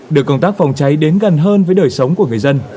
đưa công tác phòng cháy đến gần hơn với đời sống của người dân